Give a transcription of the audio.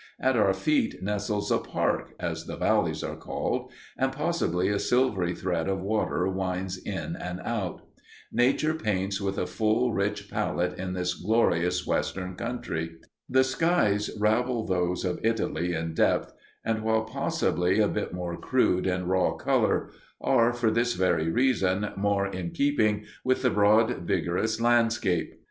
At our feet nestles a "park" (as the valleys are called), and possibly a silvery thread of water winds in and out. Nature paints with a full, rich palette in this glorious Western country! The skies rival those of Italy in depth, and, while possibly a bit more crude in raw color, are, for this very reason, more in keeping with the broad, vigorous landscape.